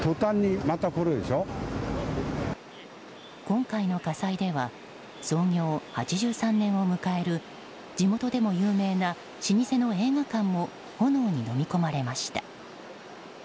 今回の火災では創業８３年を迎える地元でも有名な老舗の映画館も炎にのみ込まれました。